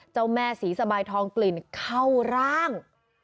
เจ้าแม่สีสบายทองกลิ่นเข้าร่าง